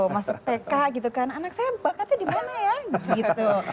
masuk tk gitu kan anak saya bakatnya di mana ya gitu